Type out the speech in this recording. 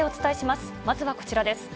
まずはこちらです。